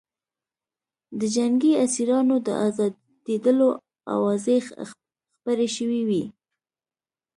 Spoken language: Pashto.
د جنګي اسیرانو د ازادېدلو اوازې خپرې شوې وې